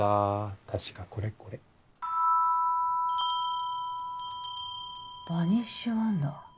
確かこれこれバニッシュワンダー